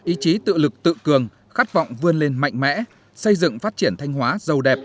ý chí tự lực tự cường khát vọng vươn lên mạnh mẽ xây dựng phát triển thanh hóa giàu đẹp